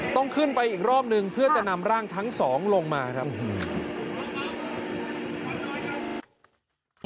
ต้องขึ้นไปอีกรอบนึงเพื่อจะนำร่างทั้งสองลงมาครับ